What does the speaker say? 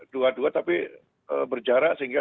dua dua tapi berjarak sehingga